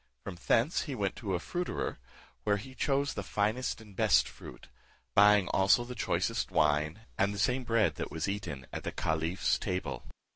From thence he went to a fruiterer, where he chose the finest and best fruit; buying also the choicest wine, and the same bread that was eaten at the caliph's table.